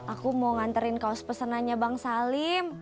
aku mau nganterin kaos pesenannya bang salim